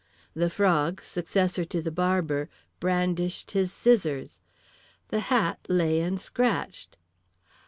The Frog, successor to The Barber, brandished his scissors. The Hat lay and scratched.